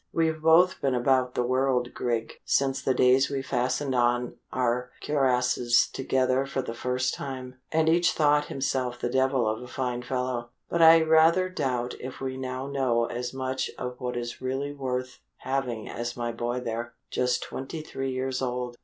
We've both been about the world, Grig, since the days we fastened on our cuirasses together for the first time, and each thought himself the devil of a fine fellow but I rather doubt if we now know as much of what is really worth having as my boy there just twenty three years old."